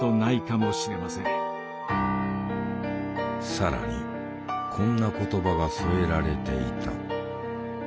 更にこんな言葉が添えられていた。